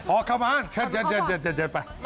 เอกกระไชสี่วิฆ์ชายชื่อนี้